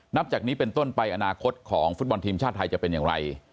นับจากนี้เป็นต้นไปอนาคตของฟุตบอลทีมชาติไทยจะเป็นอย่างไร